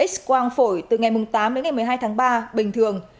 x quang phổi từ ngày tám đến ngày một mươi hai tháng ba bình thường